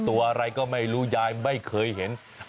ตัวอะไรก็ไม่รู้ยายไม่เคยเห็น